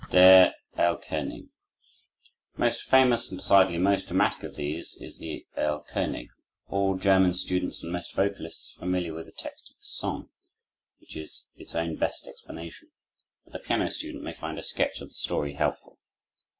Der Erlkönig Most famous and decidedly most dramatic of these is the "Erlkönig." All German students and most vocalists are familiar with the text of this song, which is its own best explanation; but the piano student may find a sketch of the story helpful.